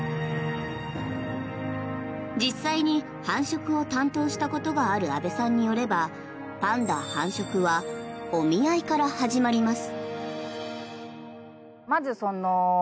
実際に繁殖を担当したことがある阿部さんによればパンダ繁殖はお見合いから始まります。